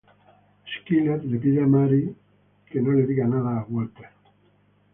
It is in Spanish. Skyler le pide a Marie que no le diga nada a Walter.